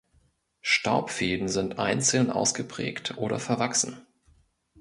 Staubfäden sind einzeln ausgeprägt oder verwachsen.